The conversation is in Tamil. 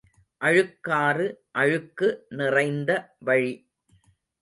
அழுக்காறு அழுக்கு நிறைந்த வழி.